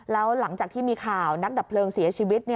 แล้วหลังจากที่มีข่าวนักดับเพลิงเสียชีวิต